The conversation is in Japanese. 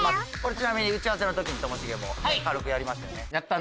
ちなみに打ち合わせの時にともしげも軽くやりましたよね。